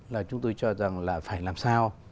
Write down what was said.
là chúng tôi cho rằng là phải làm sao